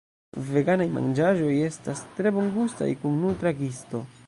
Veganaj manĝaĵoj estas tre bongustaj kun nutra gisto.